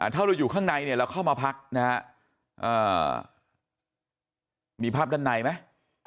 ถ้าเราอยู่ข้างในเนี่ยเราเข้ามาพักนะฮะมีภาพด้านในไหม